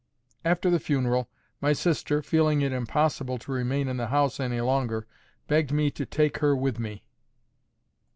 After the funeral, my sister, feeling it impossible to remain in the house any longer, begged me to take her with me.